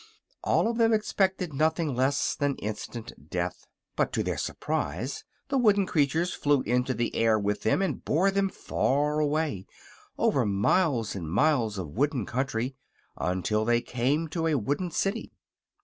All of them expected nothing less than instant death; but to their surprise the wooden creatures flew into the air with them and bore them far away, over miles and miles of wooden country, until they came to a wooden city.